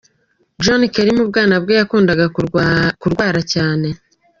John Kennedy mu bwana bwe yakundaga kurwara cyane.